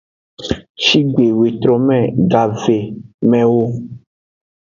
Shigbe zetrome gavemewo.